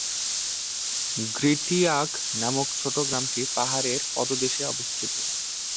"গ্রিটিয়াঘ" নামক ছোট গ্রামটি পাহাড়ের পাদদেশে অবস্থিত।